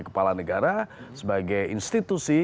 kepala negara sebagai institusi